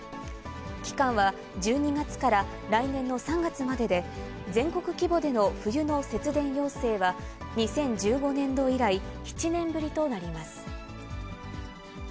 期間は１２月から来年の３月までで、全国規模での冬の節電要請は、２０１５年度以来、７年ぶりとなります。